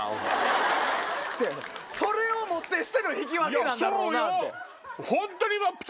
それをもってしての引き分けなんだろうな